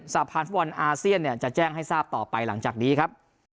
สถานภูมิวัลอาเซียนจะแจ้งให้ทราบต่อไปหลังจากนี้ครับ